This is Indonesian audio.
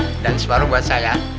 dan yang lainnya separuh buat saya